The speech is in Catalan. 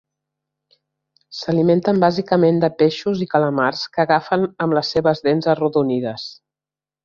S'alimenten bàsicament de peixos i calamars que agafen amb les seves dents arrodonides.